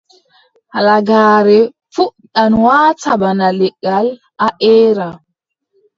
Halagaare fuɗɗan waata bana legal, a eera.